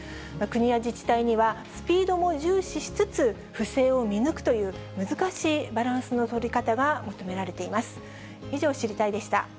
国や自治体には、スピードも重視しつつ、不正を見抜くという難しいバランスの取り方が求められています。